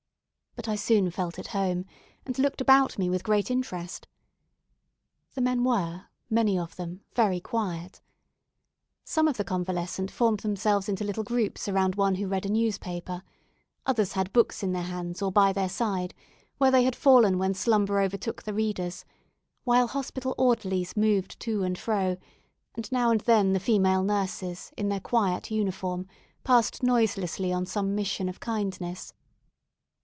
But I soon felt at home, and looked about me with great interest. The men were, many of them, very quiet. Some of the convalescent formed themselves into little groups around one who read a newspaper; others had books in their hands, or by their side, where they had fallen when slumber overtook the readers, while hospital orderlies moved to and fro, and now and then the female nurses, in their quiet uniform, passed noiselessly on some mission of kindness.